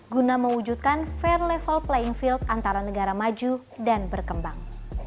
guna mewujudkan fair level playing field antara negara maju dan berkembang